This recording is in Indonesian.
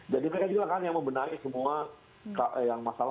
jadi mereka juga akan membenahi semua masalah yang ada di garuda